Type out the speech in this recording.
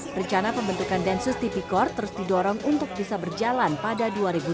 rencana pembentukan tendensus tipikor terus didorong untuk bisa berjalan pada dua ribu delapan belas